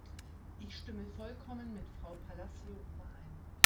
Ich stimme vollkommen mit Frau Palacio überein.